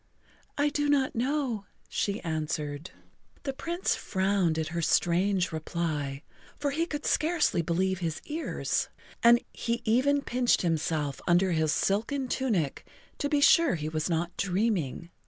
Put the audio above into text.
"I do not know," she answered. The Prince frowned at her strange reply, for he could scarcely believe his ears, and he even pinched himself under his silken tunic to be sure he was not dreaming.